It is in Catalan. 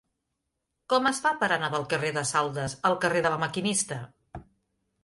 Com es fa per anar del carrer de Saldes al carrer de La Maquinista?